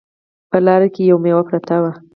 په لاره کې یوه میوه پرته وه